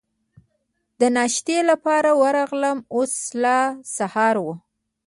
د ناشتې لپاره ورغلم، اوس لا سهار و.